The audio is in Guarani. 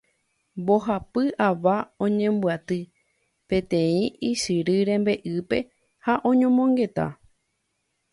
"Mbohapy ava oñembyaty peteĩ ysyry rembe'ýpe ha oñomongeta.